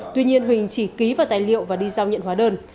tuy nhiên huỳnh chỉ ký vào tài liệu và đi giao nhận hóa đơn